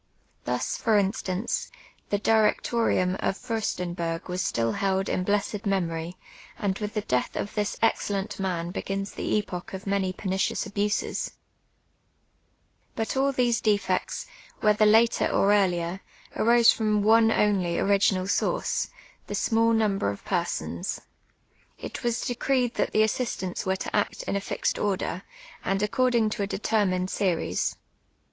Thus, for instance, the D'trec torium of Fiirstenberg was still held in blessed memorv, and with the death of this excellent man begins the epoch of many peniicious abuses. 460 TUITH AND rOKTUY ; FROM MY OWV LIFH. But all tlicso defects, wliether later or earlier, aros(» from one only orij:inal source, the small nuinlK'r of persons. It was decreed that the assistants were to act in a fixed order, and nccordinj; to a determined series.